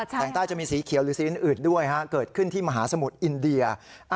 แต่งใต้จะมีสีเขียวหรือสีอื่นด้วยเกิดขึ้นที่มหาสมุทรอินเดีย